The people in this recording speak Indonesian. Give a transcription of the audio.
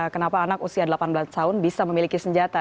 kenapa anak usia delapan belas tahun bisa memiliki senjata